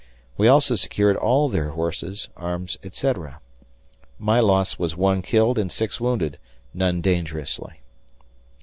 We also secured all their horses, arms, etc. My loss was 1 killed and 6 wounded none dangerously.